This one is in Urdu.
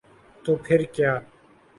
تو پھر کیا؟